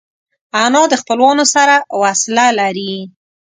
انا د خپلوانو سره وصله لري